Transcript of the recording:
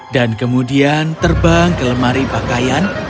dan kemudian terbang ke lemari pakaian